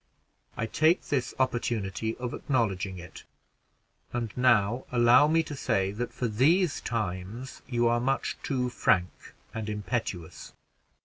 I take this opportunity of acknowledging it; and now allow me to say, that, for these times, you are much too frank and impetuous.